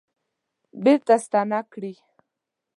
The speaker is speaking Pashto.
بیرته ستانه کړي